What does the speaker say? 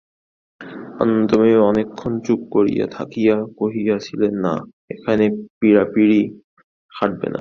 আনন্দময়ী অনেকক্ষণ চুপ করিয়া থাকিয়া কহিয়াছিলেন, না, এখানে পীড়াপীড়ি খাটবে না।